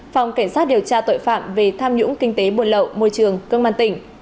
phòng cảnh sát điều tra tội phạm về tham nhũng kinh tế buồn lậu môi trường công an tỉnh